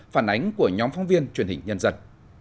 phản ánh của nhóm phóng viên truyền hình nhân dân